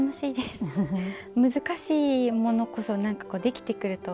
難しいものこそなんかできてくると。